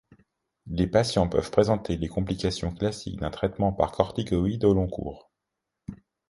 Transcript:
Les patients peuvent présenter les complications classiques d'un traitement par corticoïdes au long cours.